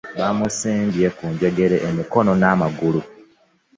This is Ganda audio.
Bamusibye ku njegere emikono n'amagulu .